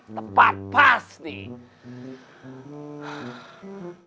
tempat pas nih